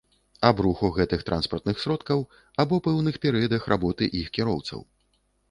Аб руху гэтых транспартных сродкаў або пэўных перыядах работы іх кіроўцаў